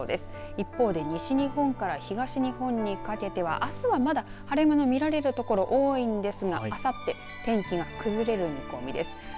一方で西日本から東日本にかけてはあすは、まだ晴れ間の見られる所、多いんですがあさって天気が崩れる見込みです。